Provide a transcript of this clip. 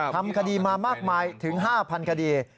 ทำคดีมามากมายถึง๕๐๐คดี